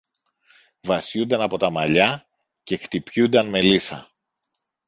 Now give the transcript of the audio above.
βαστιούνταν από τα μαλλιά και χτυπιούνταν με λύσσα.